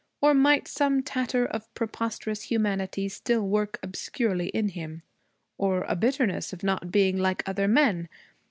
Or might some tatter of preposterous humanity still work obscurely in him? Or a bitterness of not being like other men?